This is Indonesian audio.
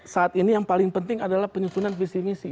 saat ini yang paling penting adalah penyusunan visi misi